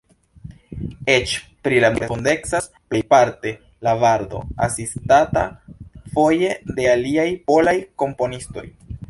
Eĉ pri la muziko respondecas plejparte la bardo, asistata foje de aliaj polaj komponistoj.